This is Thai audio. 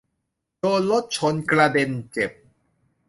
โดนรถชนกระเด็นเจ็บ